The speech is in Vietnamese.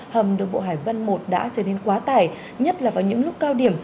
hầm đường bộ hải vân một đã trở nên quá tải nhất là vào những lúc cao điểm